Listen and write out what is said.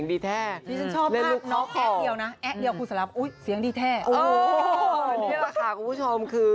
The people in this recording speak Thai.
แน่นอนอีกที